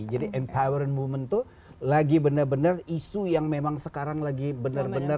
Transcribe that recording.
jadi empowering women tuh lagi benar benar isu yang memang sekarang lagi benar benar